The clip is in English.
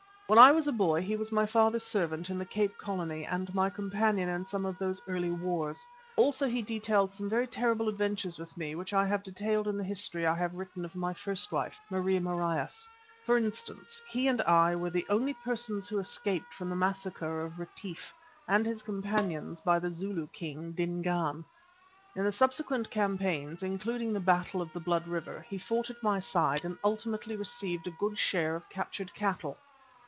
When I was a boy he was my father's servant in the Cape Colony and my companion in some of those early wars. Also he shared some very terrible adventures with me which I have detailed in the history I have written of my first wife, Marie Marais. For instance, he and I were the only persons who escaped from the massacre of Retief and his companions by the Zulu king, Dingaan. In the subsequent campaigns, including the Battle of the Blood River, he fought at my side and ultimately received a good share of captured cattle.